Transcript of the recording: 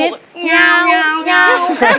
เนยาว